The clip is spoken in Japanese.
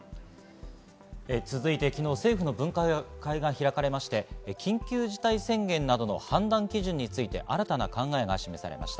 続いて昨日、政府の分科会が開かれまして、緊急事態宣言などの判断基準について新たな考えが示されました。